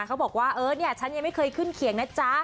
เขาบอกว่าเออเนี่ยฉันยังไม่เคยขึ้นเขียงนะจ๊ะ